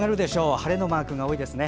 晴れのマークが多いですね。